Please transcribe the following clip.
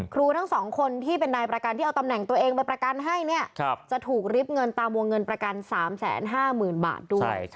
ทั้ง๒คนที่เป็นนายประกันที่เอาตำแหน่งตัวเองไปประกันให้เนี่ยจะถูกริบเงินตามวงเงินประกัน๓๕๐๐๐บาทด้วย